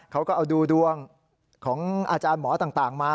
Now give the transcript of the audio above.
เขาก็เอาดูดวงของอาจารย์หมอต่างมา